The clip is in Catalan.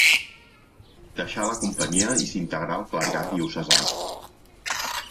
Deixà la Companyia i s'integrà al clergat diocesà.